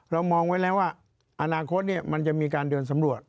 เรามองไว้แล้วว่าอนาคตมันจะมีการเดินสำรวจ